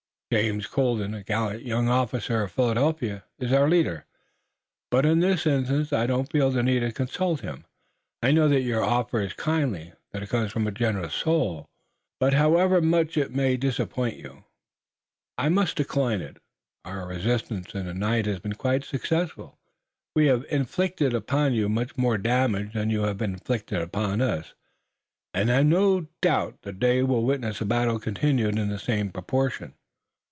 Captain James Colden, a gallant young officer of Philadelphia, is our leader, but, in this instance, I don't feel the need of consulting him. I know that your offer is kindly, that it comes from a generous soul, but however much it may disappoint you I must decline it. Our resistance in the night has been quite successful, we have inflicted upon you much more damage than you have inflicted upon us, and I've no doubt the day will witness a battle continued in the same proportion."